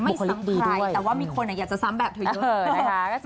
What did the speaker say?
ไม่ซ้ำใครแต่ว่ามีคนอยากจะซ้ำแบบเธอยุ่